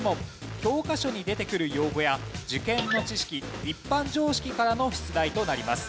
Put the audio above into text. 教科書に出てくる用語や受験の知識一般常識からの出題となります。